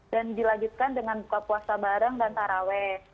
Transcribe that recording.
dan dilanjutkan dengan buka puasa bareng dan terawih